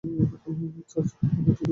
চারজন কিংবদন্তী ডুবুরি।